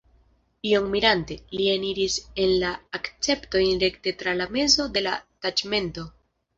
Iom mirante, li eniris en la akceptejon rekte tra la mezo de la taĉmento.